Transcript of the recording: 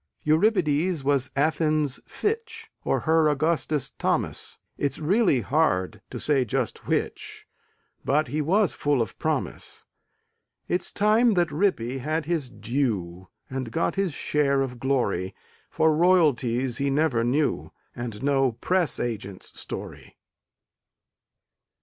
Euripides was Athens' Fitch Or her Augustus Thomas It's really hard to say just which, But he was full of promise. It's time that Rippy had his due And got his share of glory, For royalties he never knew And no press agent's story.